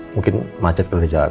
mungkin macet kelejaran